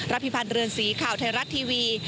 พิพันธ์เรือนสีข่าวไทยรัฐทีวี